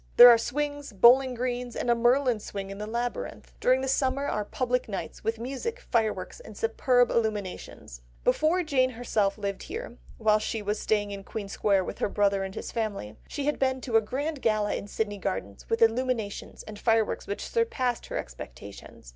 There are swings, bowling greens, and a Merlin's swing in the labyrinth. During the summer are public nights, with music, fireworks, and superb illuminations." Before Jane herself lived here, while she was staying in Queen Square with her brother and his family, she had been to a grand gala in Sydney Gardens, with illuminations, and fireworks which "surpassed" her expectations.